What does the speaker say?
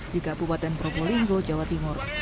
di kabupaten probolinggo jawa timur